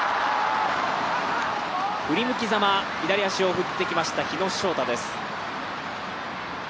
振り向きざま、左足を振ってきました日野翔太です。